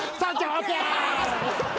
ＯＫ！